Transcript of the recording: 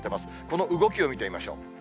この動きを見てみましょう。